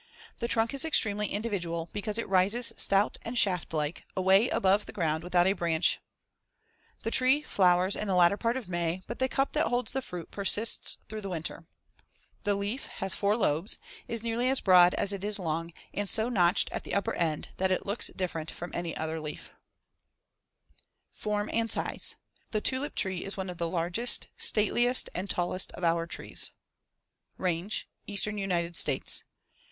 The trunk is extremely individual because it rises stout and shaft like, away above the ground without a branch as shown in Fig. 73. The tree flowers in the latter part of May but the cup that holds the fruit persists throughout the winter. The leaf, Fig. 75, has four lobes, is nearly as broad as it is long and so notched at the upper end that it looks different from any other leaf. [Illustration: FIG. 73. The Tulip Tree.] [Illustration: FIG. 74. Bud of the Tulip Tree.] Form and size: The tulip tree is one of the largest, stateliest and tallest of our trees. Range: Eastern United States.